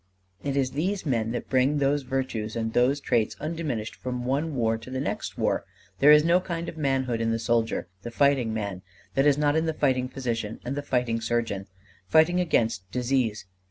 It is these men that bring those virtues and those traits undiminished from one war to the next war. There is no kind of manhood in the soldier, the fighting man, that is not in the fighting physician and fighting surgeon fighting against disease.